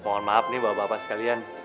mohon maaf nih bapak bapak sekalian